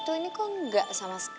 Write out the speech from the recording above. tunggu di rumah